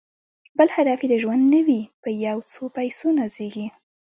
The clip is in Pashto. بل هدف یې د ژوند نه وي په یو څو پیسو نازیږي